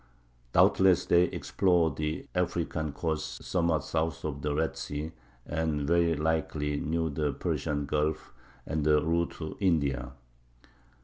Doubtless they explored the African coast somewhat south of the Red Sea, and very likely knew the Persian Gulf and the route to India.